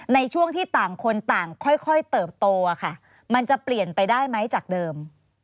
ในช่วงที่ต่างคนต่างค่อยเติบโตค่ะมันจะเปลี่ยนไปได้ไหมจากเดิม